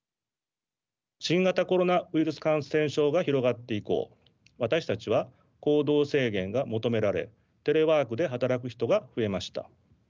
新型コロナウイルス感染症が広がって以降私たちは行動制限が求められテレワークで働く人が増えました。